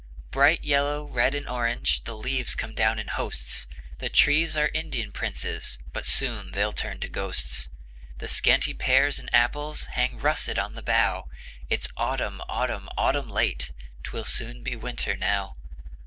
Bright yellow, red, and orange, The leaves come down in hosts; The trees are Indian Princes, But soon they'll turn to Ghosts; The scanty pears and apples Hang russet on the bough, It's Autumn, Autumn, Autumn late, 'Twill soon be winter now.